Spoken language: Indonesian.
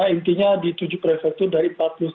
intinya di tujuh prefektur dari empat puluh tujuh